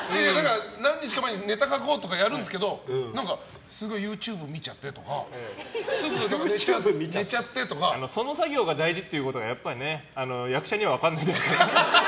何日か前にネタ書こうとかやるんですけどすごいＹｏｕＴｕｂｅ見ちゃってとかその作業が大事っていうことは役者には分からないですよ。